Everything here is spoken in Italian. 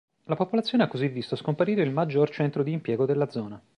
La popolazione ha così visto scomparire il maggior centro di impiego della zona.